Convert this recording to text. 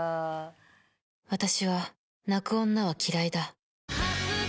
「私は泣く女は嫌いだ」